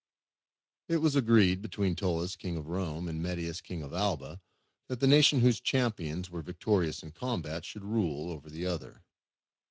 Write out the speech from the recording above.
It was agreed between Tullus king of Rome, and Metius king of Alba, that the nation whose champions were victorious in combat should rule over the other.